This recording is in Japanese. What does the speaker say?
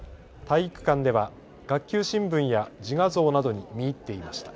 体育館では学級新聞や自画像などに見入っていました。